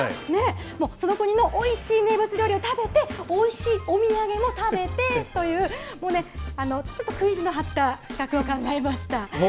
その国のおいしい名物料理を食べて、おいしいお土産も食べてという、もうね、ちょっと食い意地のはった企画を考えました。